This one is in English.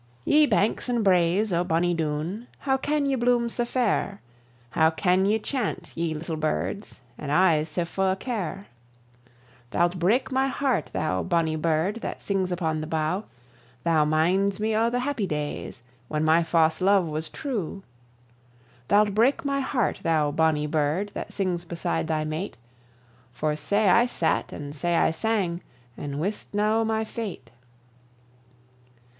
Ye banks and braes o' bonnie Doon, How can ye blume sae fair! How can ye chant, ye little birds, And I sae fu' o' care. Thou'lt break my heart, thou bonnie bird That sings upon the bough; Thou minds me o' the happy days When my fause luve was true. Thou'lt break my heart, thou bonnie bird That sings beside thy mate; For sae I sat, and sae I sang, And wist na o' my fate.